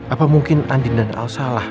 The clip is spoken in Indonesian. apa mungkin andin dan al salah